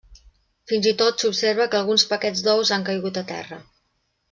Fins i tot s'observa que alguns paquets d'ous han caigut a terra.